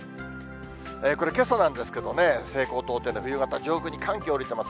これ、けさなんですけどね、西高東低の冬型、上空に寒気下りています。